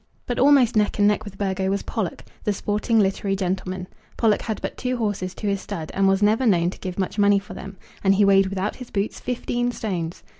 But almost neck and neck with Burgo was Pollock, the sporting literary gentleman. Pollock had but two horses to his stud, and was never known to give much money for them; and he weighed without his boots, fifteen stones!